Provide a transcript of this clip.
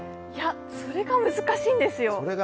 それが難しいんですよ。